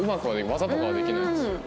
技とかはできないです。